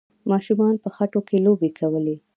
ماشومانو به په خټو کې لوبې کولې.